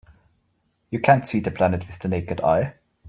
You can't see the planet with the naked eye.